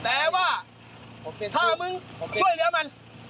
แต่ว่าถ้ามึงช่วยเหลือมัน